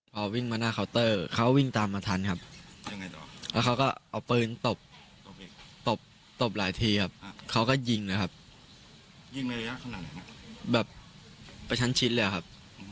มองวิ่งมาหน้าเคาน์เตอร์เขาวิ่งตามมาทันแล้วเขาก็เอาปืนตบหลายที่เขาก็ยิงแบบไปชั้นชิดเลยครับ